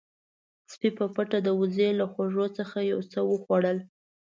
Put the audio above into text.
سپی په پټه د وزې له خواږو څخه یو څه وخوړل.